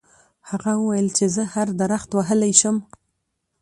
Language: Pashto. هغه وویل چې زه هر درخت وهلی شم.